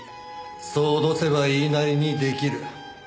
そう脅せば言いなりに出来る」